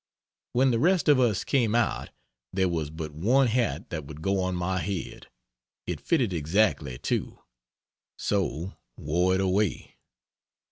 When the rest of us came out there was but one hat that would go on my head it fitted exactly, too. So wore it away.